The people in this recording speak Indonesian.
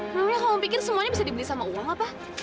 sebelumnya kamu pikir semuanya bisa dibeli sama uang apa